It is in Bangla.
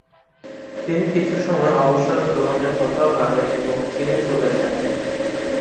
তিনি কিছু সময় অবসর গ্রহণের কথাও ভাবেন এবং চীনে চলে যান।